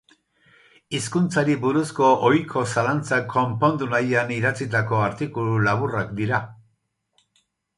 Hizkuntzari buruzko ohiko zalantzak konpondu nahian idatzitako artikulu laburrak dira.